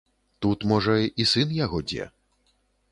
Тут, можа, і сын яго дзе.